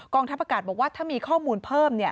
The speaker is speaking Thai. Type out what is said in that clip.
ทัพอากาศบอกว่าถ้ามีข้อมูลเพิ่ม